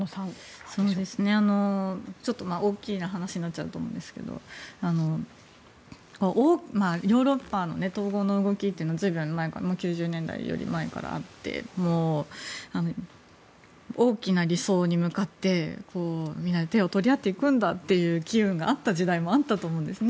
ちょっと大きな話になっちゃうと思うんですけどヨーロッパの統合の動きというのは９０年代より前からあって大きな理想に向かって、みんなで手を取り合っていくという機運があった時代もあったと思うんですね。